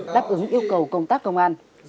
đáp ứng yêu cầu công tác công an